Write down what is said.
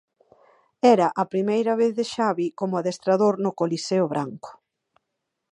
Era a primeira vez de Xavi como adestrador no coliseo branco.